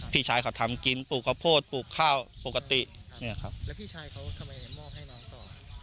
พี่ชายเขาทำกินปลูกข้าโพดปลูกข้าวปกติเนี่ยครับแล้วพี่ชายเขา